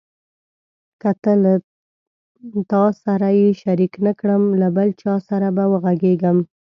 که له تا سره یې شریک نه کړم له بل چا سره به وغږېږم.